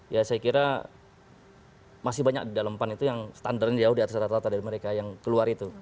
ya saya kira masih banyak di dalam pan itu yang standarnya jauh di atas rata rata dari mereka yang keluar itu